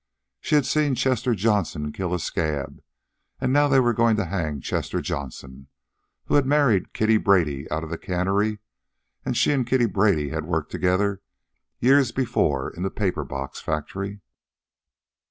She had seen Chester Johnson kill a scab, and now they were going to hang Chester Johnson, who had married Kittie Brady out of the cannery, and she and Kittie Brady had worked together years before in the paper box factory.